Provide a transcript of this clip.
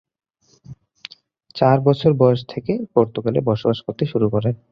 চার বছর বয়স থেকে পর্তুগালে বসবাস করতে শুরু করেন।